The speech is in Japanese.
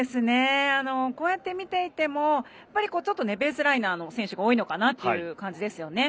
こうやって見ていてもちょっとベースライナーの選手が選手が多いのかなっていう感じですよね。